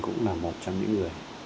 cũng là một trong những người